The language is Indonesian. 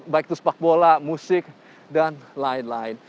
baik itu sepak bola musik dan lain lain